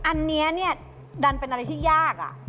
อันนี้ดันเป็นอะไรที่ยาก